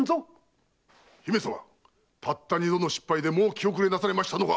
姫様たった二度の失敗でもう気後れなされましたのか！